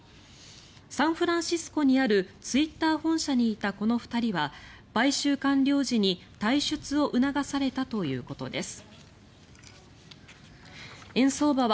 サンフランシスコにあるツイッター本社にいたこの２人は買収完了時に退出を促されたということです。